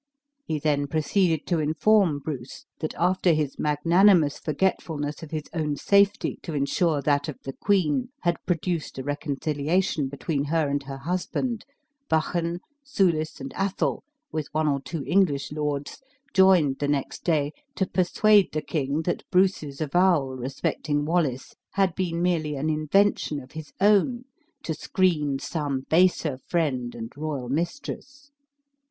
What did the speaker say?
He then proceeded to inform Bruce, that after his magnanimous forgetfulness of his own safety to insure that of the queen had produced a reconciliation between her and her husband, Buchan, Soulis, and Athol, with one or two English lords, joined the next day to persuade the king that Bruce's avowal respecting Wallace had been merely an invention of his own to screen some baser friend and royal mistress.